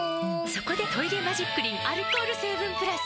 そこで「トイレマジックリン」アルコール成分プラス！